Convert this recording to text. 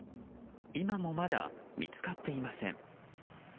今もまだ見つかっていません。